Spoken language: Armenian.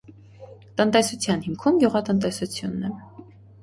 Տնտեսության հիմքում գյուղատնտեսությունն է։